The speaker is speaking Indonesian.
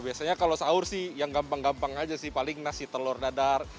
biasanya kalau sahur sih yang gampang gampang aja sih paling nasi telur dadar